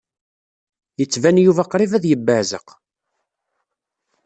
Yettban Yuba qṛib ad yebbeɛzeq.